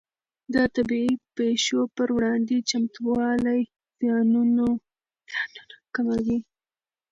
د طبیعي پېښو پر وړاندې چمتووالی زیانونه کموي.